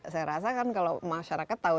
saya rasakan kalau masyarakat tahu